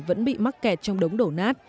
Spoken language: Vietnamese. vẫn bị mắc kẹt trong đống đổ nát